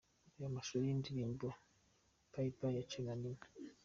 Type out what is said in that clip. Reba amashusho y'indirimbo 'Bye bye' ya Charly na Nina.